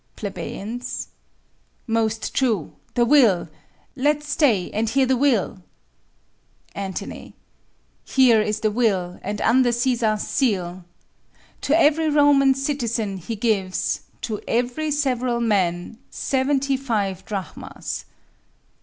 Ple. Most true; the will! let's stay, and hear the will. Ant. Here is the will, and under Cæsar's seal. To every Roman citizen he gives, To every several man, seventy five drachmas.